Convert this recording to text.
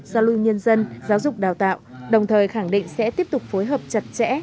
giao lưu nhân dân giáo dục đào tạo đồng thời khẳng định sẽ tiếp tục phối hợp chặt chẽ